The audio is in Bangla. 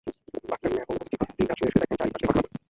বাক্কা মিয়া এখন বস্তি ঘরে দিন-রাত শুয়ে শুয়ে দেখেন চারপাশের ঘটনাবলি।